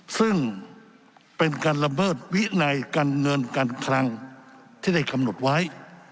ซึ่งเป็นการละเมิดวินัยการเงินการคลังที่ได้กำหนดไว้